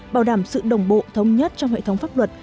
bảo đảm sự đồng bộ thống nhất trong hệ thống pháp luật